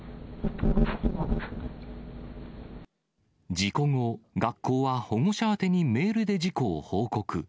事故後、学校は保護者宛てにメールで事故を報告。